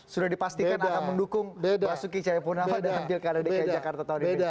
sudah dipastikan akan mendukung basuki cahaya purnama dan hampir keadaan di jakarta tahun ini